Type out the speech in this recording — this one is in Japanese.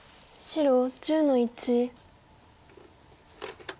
白１０の一。